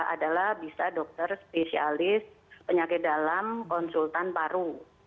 adalah bisa dokter spesialis penyakit dalam konsultan paru